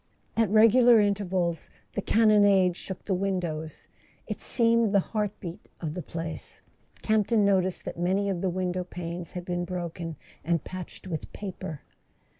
At regular intervals the cannonade shook the windows; it seemed the heart beat of the place. Camp¬ ton noticed that many of the window panes had been broken, and patched with paper.